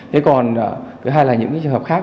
thế còn thứ hai là những trường hợp khác